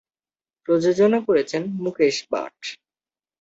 প্রযোজনা করেছেন মুকেশ ভাট।